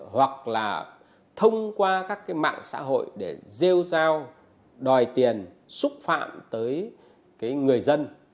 hoặc là thông qua các mạng xã hội để gieo giao đòi tiền xúc phạm tới người dân